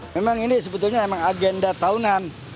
memang ini sebetulnya emang agenda tahunan